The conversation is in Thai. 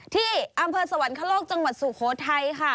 ที่อำเภอสวรรคโลกจังหวัดสุโขทัยค่ะ